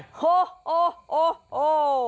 โฮ